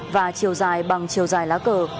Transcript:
và chiều dài bằng chiều dài lá cờ